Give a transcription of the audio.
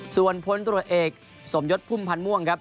ส่วนพลตรวจเอกสมยศพุ่มพันธ์ม่วงครับ